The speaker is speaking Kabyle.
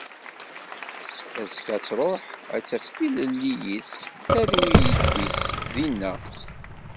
Azekka ad truḥ ad taf tilelli-s d talwit-is dinna.